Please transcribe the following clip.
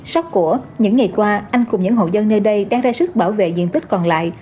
sắc của những ngày qua anh cùng những hộ dân nơi đây đang ra sức bảo vệ diện tích còn lại